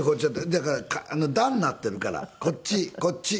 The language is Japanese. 「だから段になっているからこっちこっち。